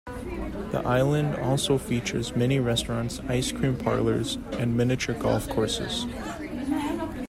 The island also features many restaurants, ice cream parlors, and miniature golf courses.